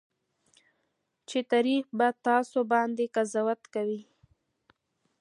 چې تاريخ به تاسو باندې قضاوت کوي.